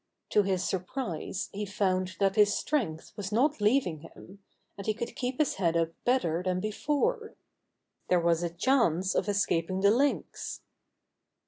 To his surprise he found that his strength was not leaving him, and he could keep his head up better than before. There was a chance of escaping the Lynx.